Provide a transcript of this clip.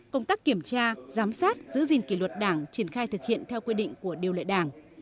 công tác kiểm tra giám sát giữ gìn kỷ luật đảng triển khai thực hiện theo quy định của điều lệ đảng